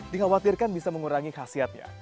dikhawatirkan bisa mengurangi khasiatnya